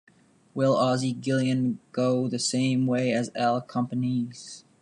Will Ozzie Guillen Go the Same Way as Al Campanis?